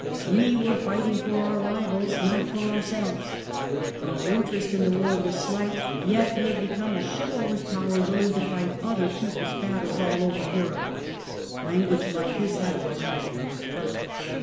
We were fighting for our rivals, not for ourselves. Our interest in the war was slight, yet we had become a chivalrous power willing to fight other people's battles all over Europe. Language like this had a great effect.